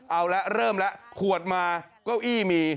เอาแล้วเริ่มแล้วขวดมาเก้าอี้มี